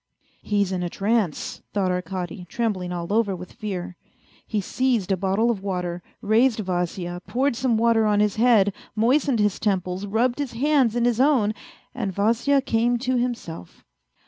" He's in a trance !" thought Arkady, trembling all over with fear. He seized a bottle of water, raised Vasya, poured some water on his head, moistened his temples, rubbed his hands in his own and Vasya came to himself.